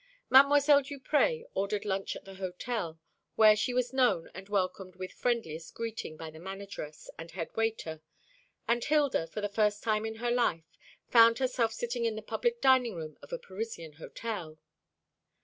Mdlle. Duprez ordered lunch at the hotel, where she was known and welcomed with friendliest greeting by manageress and head waiter; and Hilda, for the first time in her life, found herself sitting in the public dining room of a Parisian hotel.